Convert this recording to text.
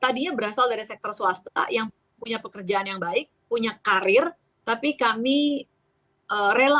tadinya berasal dari sektor swasta yang punya pekerjaan yang baik punya karir tapi kami rela